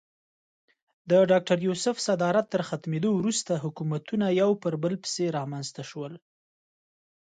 د ډاکټر یوسف صدارت تر ختمېدو وروسته حکومتونه یو پر بل پسې رامنځته شول.